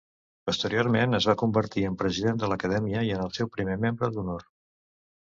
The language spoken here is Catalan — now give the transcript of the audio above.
Posteriorment es va convertir en president de l'acadèmia i en el seu primer membre d'honor.